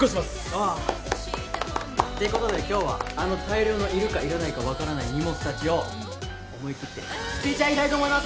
あぁってことで今日はあの大量のいるかいらないか分からない荷物たちを思いきって捨てちゃいたいと思います！